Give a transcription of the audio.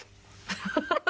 ハハハハ！